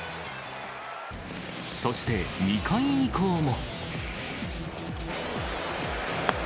そして、２回以降も。